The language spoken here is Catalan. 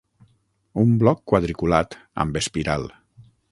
Un bloc quadriculat, amb espiral.